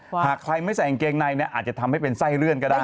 หากใครไม่ใส่กางเกงในเนี่ยอาจจะทำให้เป็นไส้เลื่อนก็ได้